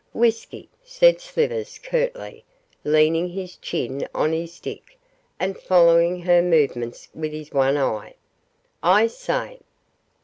'Whisky,' said Slivers, curtly, leaning his chin on his stick, and following her movements with his one eye. 'I say!